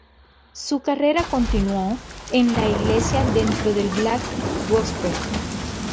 Su carrera continuó en la iglesia dentro del black gospel.